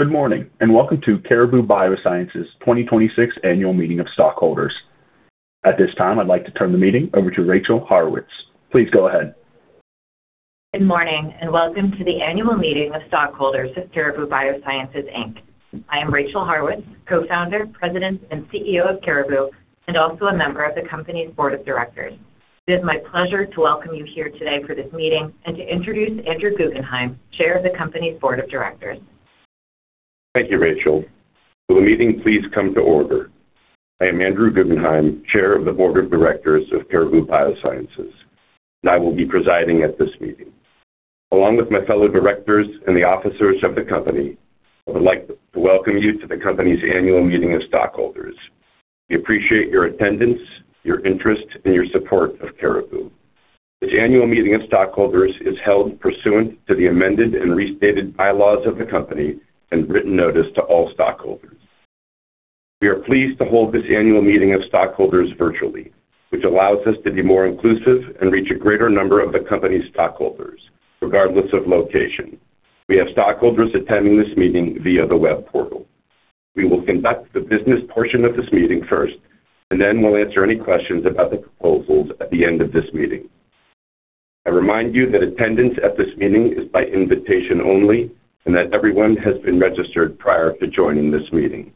Good morning, welcome to Caribou Biosciences 2026 Annual Meeting of Stockholders. At this time, I'd like to turn the meeting over to Rachel Haurwitz. Please go ahead. Good morning, welcome to the Annual Meeting of Stockholders of Caribou Biosciences, Inc. I am Rachel Haurwitz, co-founder, President, and CEO of Caribou, and also a Member of the company's Board of Directors. It is my pleasure to welcome you here today for this meeting and to introduce Andrew Guggenhime, Chair of the company's Board of Directors. Thank you, Rachel. Will the meeting please come to order? I am Andrew Guggenhime, Chair of the Board of Directors of Caribou Biosciences, and I will be presiding at this meeting. Along with my fellow Directors and the officers of the company, I would like to welcome you to the company's Annual Meeting of Stockholders. We appreciate your attendance, your interest, and your support of Caribou. This Annual Meeting of Stockholders is held pursuant to the amended and restated bylaws of the company and written notice to all stockholders. We are pleased to hold this Annual Meeting of Stockholders virtually, which allows us to be more inclusive and reach a greater number of the company's stockholders, regardless of location. We have stockholders attending this meeting via the web portal. We will conduct the business portion of this meeting first, then we'll answer any questions about the proposals at the end of this meeting. I remind you that attendance at this meeting is by invitation only and that everyone has been registered prior to joining this meeting.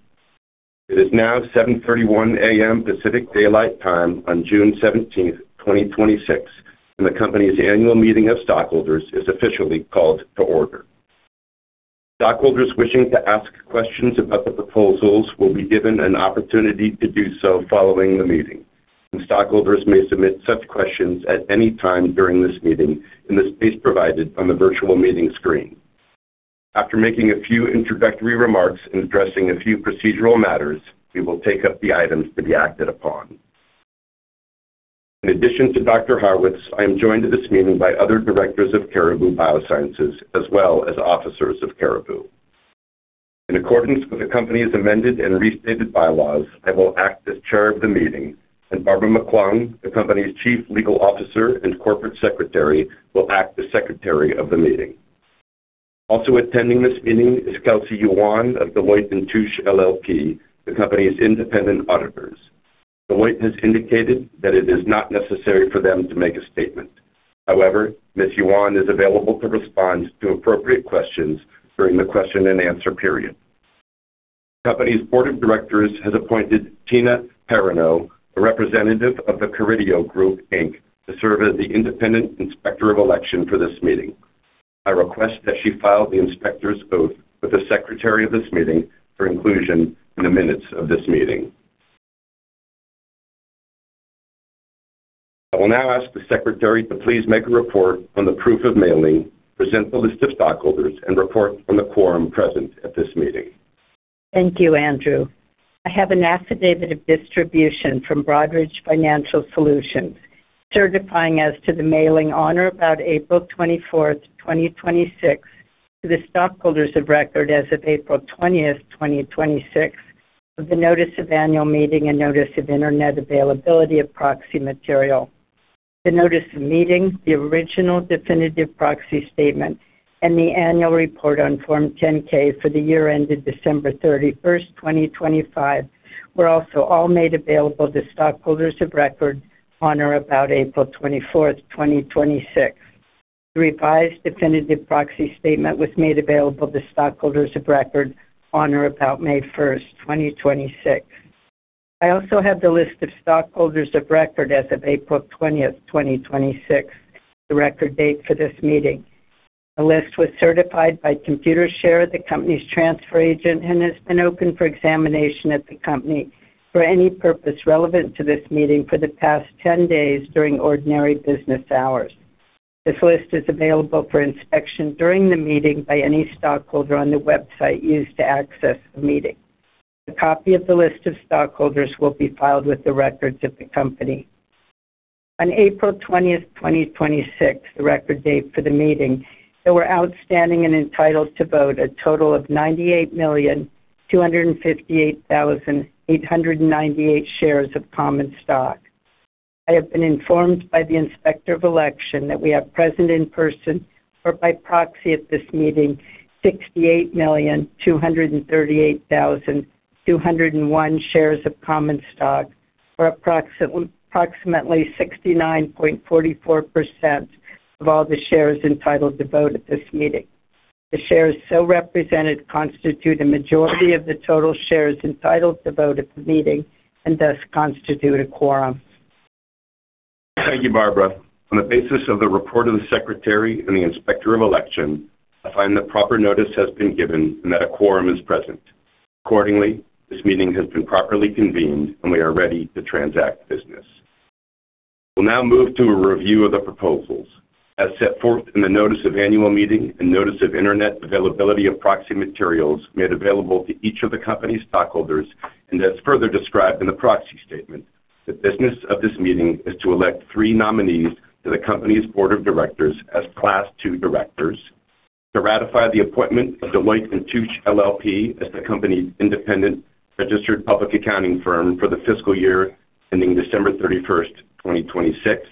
It is now 7:31 A.M. Pacific Daylight Time on June 17th, 2026, the company's Annual Meeting of Stockholders is officially called to order. Stockholders wishing to ask questions about the proposals will be given an opportunity to do so following the meeting, stockholders may submit such questions at any time during this meeting in the space provided on the virtual meeting screen. After making a few introductory remarks and addressing a few procedural matters, we will take up the items to be acted upon. In addition to Dr. Haurwitz, I am joined at this meeting by other Directors of Caribou Biosciences, as well as officers of Caribou. In accordance with the company's amended and restated bylaws, I will act as Chair of the meeting, and Barbara McClung, the company's Chief Legal Officer and Corporate Secretary, will act as Secretary of the meeting. Also attending this meeting is Kelsey Yuan of Deloitte & Touche LLP, the company's independent auditors. Deloitte has indicated that it is not necessary for them to make a statement. However, Ms. Yuan is available to respond to appropriate questions during the question-and-answer period. The company's Board of Directors has appointed Tina Perrino, a representative of The Carideo Group, Inc., to serve as the independent Inspector of Election for this meeting. I request that she file the inspector's oath with the Secretary of this meeting for inclusion in the minutes of this meeting. I will now ask the Secretary to please make a report on the proof of mailing, present the list of stockholders, and report on the quorum present at this meeting. Thank you, Andrew. I have an affidavit of distribution from Broadridge Financial Solutions, certifying as to the mailing on or about April 24th, 2026, to the stockholders of record as of April 20th, 2026, of the notice of Annual Meeting and notice of Internet availability of proxy material. The notice of meeting, the original definitive proxy statement, and the annual report on Form 10-K for the year ended December 31st, 2025, were also all made available to stockholders of record on or about April 24th, 2026. The revised definitive proxy statement was made available to stockholders of record on or about May 1st, 2026. I also have the list of stockholders of record as of April 20th, 2026, the record date for this meeting. The list was certified by Computershare, the company's transfer agent, and has been open for examination at the company for any purpose relevant to this meeting for the past 10 days during ordinary business hours. This list is available for inspection during the meeting by any stockholder on the website used to access the meeting. A copy of the list of stockholders will be filed with the records of the company. On April 20th, 2026, the record date for the meeting, there were outstanding and entitled to vote a total of 98,258,898 shares of common stock. I have been informed by the Inspector of Election that we have present in person or by proxy at this meeting 68,238,201 shares of common stock for approximately 69.44% of all the shares entitled to vote at this meeting. The shares so represented constitute a majority of the total shares entitled to vote at the meeting and thus constitute a quorum. Thank you, Barbara. On the basis of the report of the Secretary and the Inspector of Election, I find that proper notice has been given and that a quorum is present. Accordingly, this meeting has been properly convened, and we are ready to transact business. We'll now move to a review of the proposals. As set forth in the notice of Annual Meeting and notice of Internet availability of proxy materials made available to each of the company's stockholders and as further described in the proxy statement, the business of this meeting is to elect three nominees to the company's Board of Directors as Class II Directors, to ratify the appointment of Deloitte & Touche LLP as the company's independent registered public accounting firm for the fiscal year ending December 31st, 2026.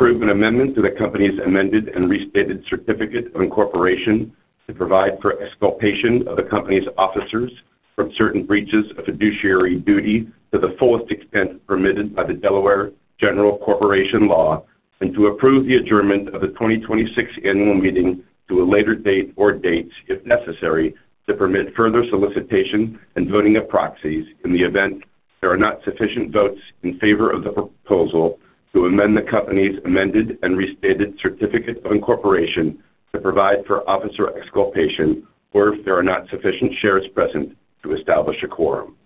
To approve an amendment to the company's amended and restated certificate of incorporation to provide for exculpation of the company's officers from certain breaches of fiduciary duty to the fullest extent permitted by the Delaware General Corporation Law, and to approve the adjournment of the 2026 Annual Meeting to a later date or dates, if necessary, to permit further solicitation and voting of proxies in the event there are not sufficient votes in favor of the proposal to amend the company's amended and restated certificate of incorporation to provide for officer exculpation, or if there are not sufficient shares present to establish a quorum.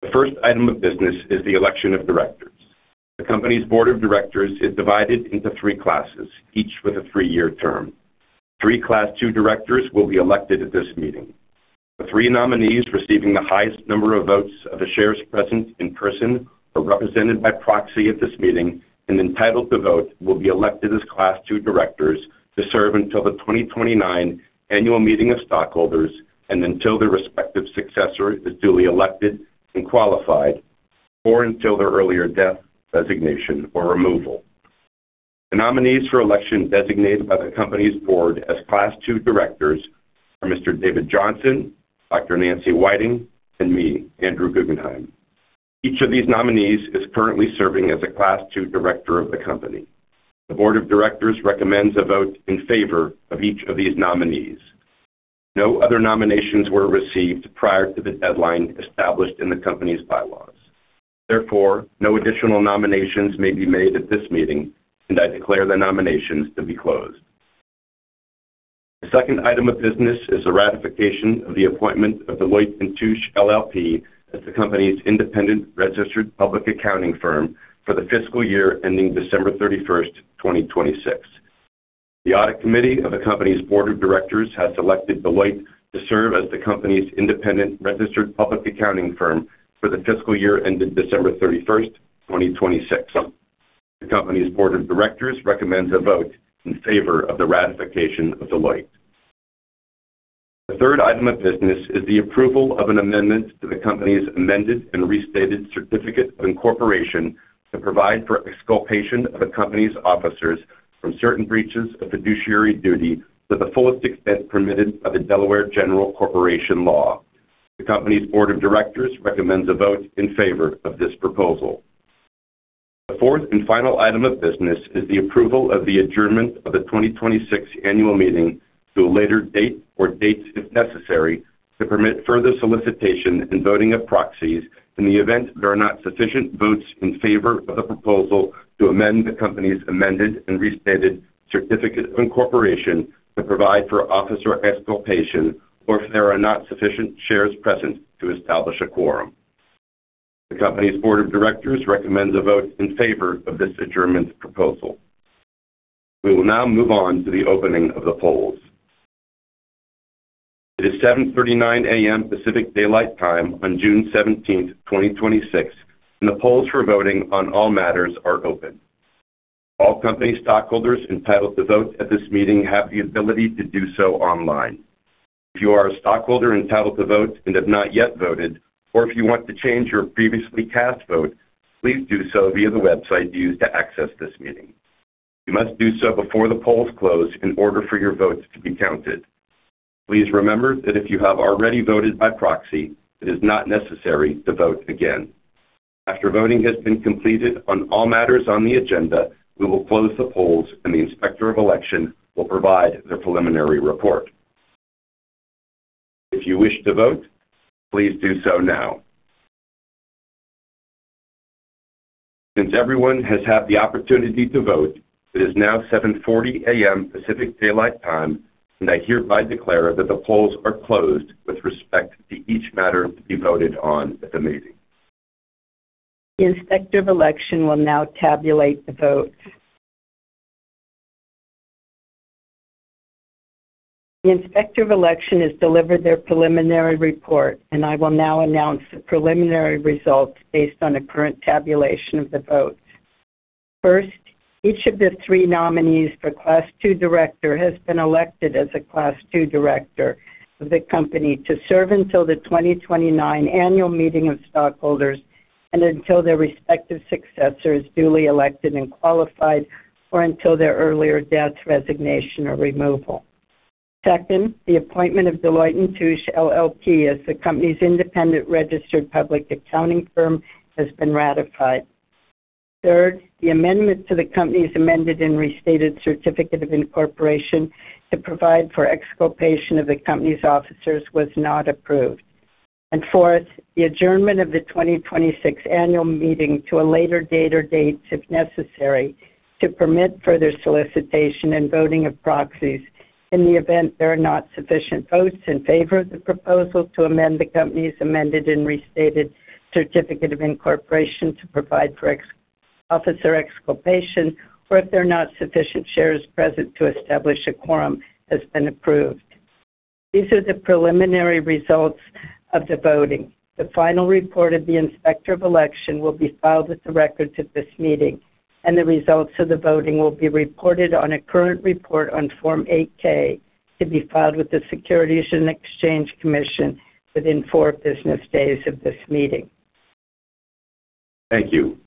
The first item of business is the election of Directors. The company's Board of Directors is divided into three classes, each with a three-year term. Three Class II Directors will be elected at this meeting. The three nominees receiving the highest number of votes of the shares present in person or represented by proxy at this meeting and entitled to vote will be elected as Class II Directors to serve until the 2029 Annual Meeting of Stockholders and until their respective successor is duly elected and qualified, or until their earlier death, resignation, or removal. The nominees for election designated by the company's board as Class II Directors are Mr. David Johnson, Dr. Nancy Whiting, and me, Andrew Guggenhime. Each of these nominees is currently serving as a Class II Director of the company. The Board of Directors recommends a vote in favor of each of these nominees. No other nominations were received prior to the deadline established in the company's bylaws. Therefore, no additional nominations may be made at this meeting, and I declare the nominations to be closed. The second item of business is the ratification of the appointment of Deloitte & Touche LLP as the company's independent registered public accounting firm for the fiscal year ending December 31st, 2026. The audit committee of the company's Board of Directors has elected Deloitte to serve as the company's independent registered public accounting firm for the fiscal year ending December 31st, 2026. The company's Board of Directors recommends a vote in favor of the ratification of Deloitte. The third item of business is the approval of an amendment to the company's amended and restated certificate of incorporation to provide for exculpation of the company's officers from certain breaches of fiduciary duty to the fullest extent permitted by the Delaware General Corporation Law. The company's Board of Directors recommends a vote in favor of this proposal. The fourth and final item of business is the approval of the adjournment of the 2026 Annual Meeting to a later date or dates, if necessary, to permit further solicitation and voting of proxies in the event there are not sufficient votes in favor of the proposal to amend the company's amended and restated certificate of incorporation to provide for officer exculpation, or if there are not sufficient shares present to establish a quorum. The company's Board of Directors recommends a vote in favor of this adjournment proposal. We will now move on to the opening of the polls. It is 7:39 A.M. Pacific Daylight Time on June 17th, 2026, and the polls for voting on all matters are open. All company stockholders entitled to vote at this meeting have the ability to do so online. If you are a stockholder entitled to vote and have not yet voted, or if you want to change your previously cast vote, please do so via the website used to access this meeting. You must do so before the polls close in order for your votes to be counted. Please remember that if you have already voted by proxy, it is not necessary to vote again. After voting has been completed on all matters on the agenda, we will close the polls, and the Inspector of Election will provide the preliminary report. If you wish to vote, please do so now. Since everyone has had the opportunity to vote, it is now 7:40 A.M. Pacific Daylight Time, and I hereby declare that the polls are closed with respect to each matter to be voted on at the meeting. The Inspector of Election will now tabulate the votes. The Inspector of Election has delivered their preliminary report, and I will now announce the preliminary results based on the current tabulation of the votes. First, each of the three nominees for Class II Director has been elected as a Class II Director of the company to serve until the 2029 Annual Meeting of Stockholders and until their respective successor is duly elected and qualified, or until their earlier death, resignation, or removal. Second, the appointment of Deloitte & Touche LLP as the company's independent registered public accounting firm has been ratified. Third, the amendment to the company's amended and restated certificate of incorporation to provide for exculpation of the company's officers was not approved. Fourth, the adjournment of the 2026 Annual Meeting to a later date or dates, if necessary, to permit further solicitation and voting of proxies in the event there are not sufficient votes in favor of the proposal to amend the company's amended and restated certificate of incorporation to provide for officer exculpation, or if there are not sufficient shares present to establish a quorum, has been approved. These are the preliminary results of the voting. The final report of the Inspector of Election will be filed with the records at this meeting, and the results of the voting will be reported on a current report on Form 8-K to be filed with the Securities and Exchange Commission within four business days of this meeting. Thank you.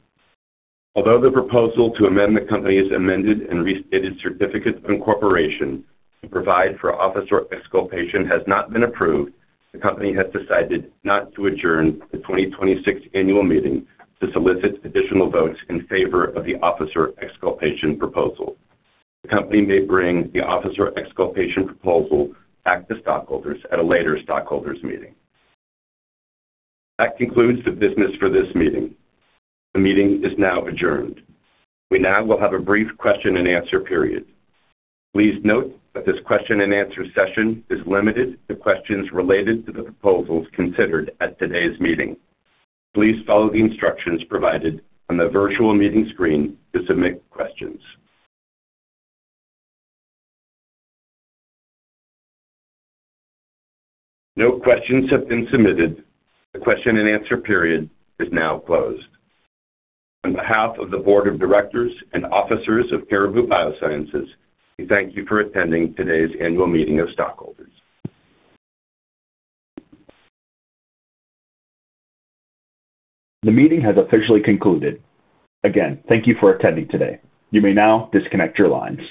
Although the proposal to amend the company's Amended and Restated Certificate of Incorporation to provide for officer exculpation has not been approved, the company has decided not to adjourn the 2026 Annual Meeting to solicit additional votes in favor of the officer exculpation proposal. The company may bring the officer exculpation proposal back to stockholders at a later stockholders meeting. That concludes the business for this meeting. The meeting is now adjourned. We now will have a brief question-and-answer period. Please note that this question-and-answer session is limited to questions related to the proposals considered at today's meeting. Please follow the instructions provided on the virtual meeting screen to submit questions. No questions have been submitted. The question-and-answer period is now closed. On behalf of the Board of Directors and Officers of Caribou Biosciences, we thank you for attending today's annual meeting of stockholders. The meeting has officially concluded. Again, thank you for attending today. You may now disconnect your lines